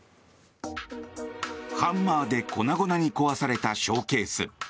ハンマーで粉々に壊されたショーケース。